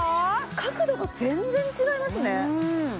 角度が全然違いますね